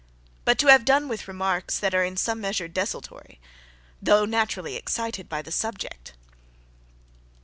but, to have done with remarks that are in some measure desultory, though naturally excited by the subject.